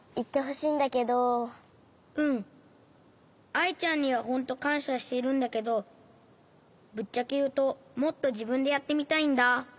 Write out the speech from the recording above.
アイちゃんにはほんとかんしゃしてるんだけどぶっちゃけいうともっとじぶんでやってみたいんだ。